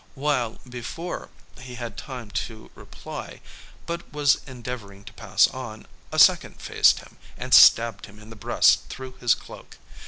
while, before he had time to reply, but was endeavouring to pass on, a second faced him, and stabbed him in the breast through his cloak.